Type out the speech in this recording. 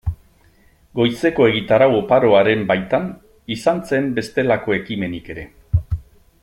Goizeko egitarau oparoaren baitan, izan zen bestelako ekimenik ere.